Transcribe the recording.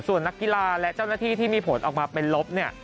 ส่วนนักกีฬาและเจ้าหน้าที่ที่มีผลออกมาเป็นลบเนี่ย